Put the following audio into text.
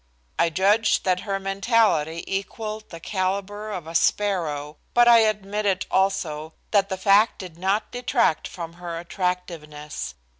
I judged that her mentality equalled the calibre of a sparrow, but I admitted also that the fact did not detract from her attractiveness.